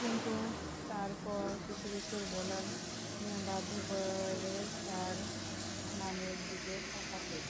কিন্তু তারপরও কিছু কিছু বোলার বাধ্য করে তাঁর নামের দিকে তাকাতেও।